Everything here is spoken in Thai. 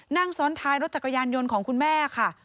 นั่งซ้อนท้ายรถจักรยานยนต์ของคุณแม่ค่ะ